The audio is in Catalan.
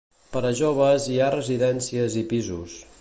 Per a joves hi ha Residències i pisos.